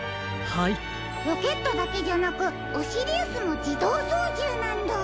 ロケットだけじゃなくオシリウスもじどうそうじゅうなんだ。